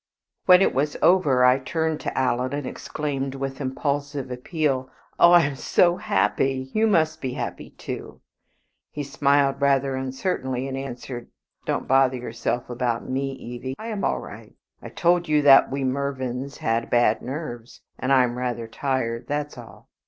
When it was over I turned to Alan, and exclaimed with impulsive appeal, "Oh, I am so happy, you must be happy too!" He smiled rather uncertainly, and answered, "Don't bother yourself about me, Evie, I am all right. I told you that we Mervyns had bad nerves; and I am rather tired. That's all."